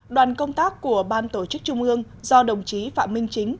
đoàn công tác của ban tổ chức trung ương do đồng chí phạm minh chính